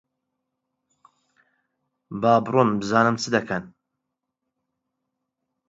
با بڕۆن بزانم چ دەکەن؟